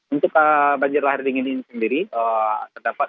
untuk banjir lahar dingin ini sendiri terdapat